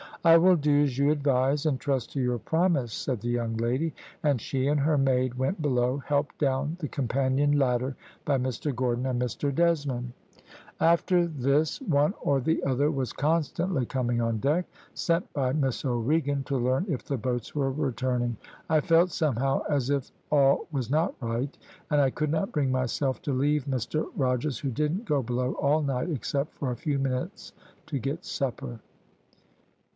"`I will do as you advise, and trust to your promise,' said the young lady, and she and her maid went below, helped down the companion ladder by Mr Gordon and Mr Desmond. "After this one or the other was constantly coming on deck, sent by Miss O'Regan, to learn if the boats were returning. I felt somehow as if all was not right, and I could not bring myself to leave Mr Rogers, who didn't go below all night, except for a few minutes to get supper."